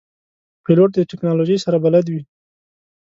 پیلوټ د تکنالوژۍ سره بلد وي.